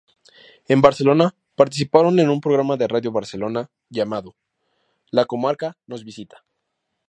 En Barcelona participaron en un programa de Radio Barcelona llamado "La comarca nos visita".